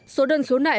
số đơn khiếu nại